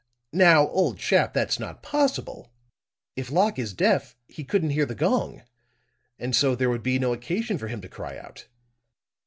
Now, old chap, that's not possible. If Locke is deaf, he couldn't hear the gong; and so there would be no occasion for him to cry out."